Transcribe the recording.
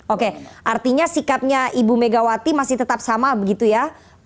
oke artinya sikapnya ibu megawati masih tetap sama begitu ya